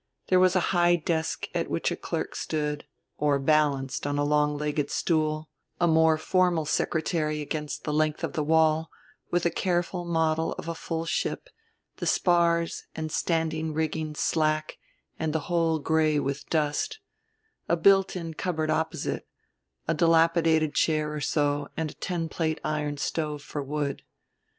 There was a high desk at which a clerk stood, or balanced on a long legged stool, a more formal secretary against the length of the wall, with a careful model of a full ship, the spars and standing rigging slack and the whole gray with dust, a built in cupboard opposite, a dilapidated chair or so and a ten plate iron stove for wood.